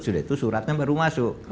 sudah itu suratnya baru masuk